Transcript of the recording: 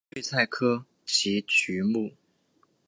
睡菜科及菊目。